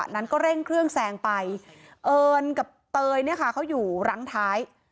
นั้นก็เร่งเครื่องแซงไปเอิญกับเตยเนี่ยค่ะเขาอยู่รั้งท้าย